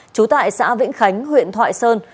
trú tại xã vĩnh khánh huyện thoại sơn